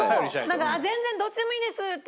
だから「全然どっちでもいいです」って。